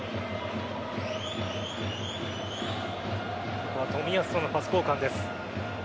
ここは冨安とのパス交換です。